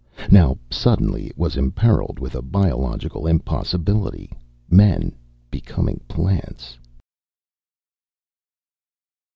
Now suddenly it was imperiled with a biological impossibility men becoming plants!